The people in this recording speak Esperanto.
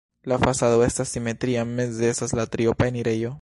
La fasado estas simetria, meze estas la triopa enirejo.